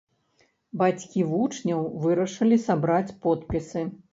Бацькі вучняў вырашылі сабраць подпісы.